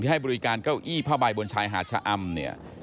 ให้บริการเก้าอี้ผ้าใบบนชายหาดชะอำเนี่ย